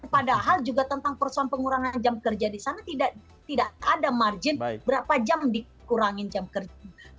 padahal juga tentang persoalan pengurangan jam kerja di sana tidak ada margin berapa jam dikurangin jam kerja